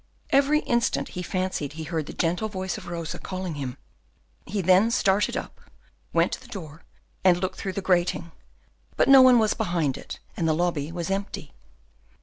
Every instant he fancied he heard the gentle voice of Rosa calling him. He then started up, went to the door, and looked through the grating, but no one was behind it, and the lobby was empty.